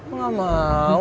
lo gak mau